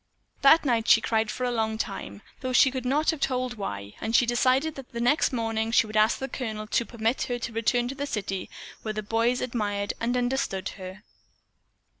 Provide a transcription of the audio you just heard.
That night she cried for a long time, though she could not have told why, and she decided that the very next morning she would ask the Colonel to permit her to return to the city where the boys admired and understood her.